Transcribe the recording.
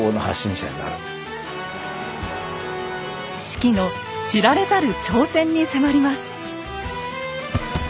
子規の知られざる挑戦に迫ります。